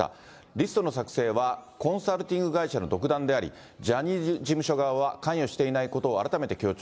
リストの作成はコンサルティング会社の独断であり、ジャニーズ事務所側は関与していないことを改めて強調。